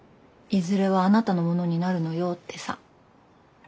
「いずれはあなたのものになるのよ」ってさ。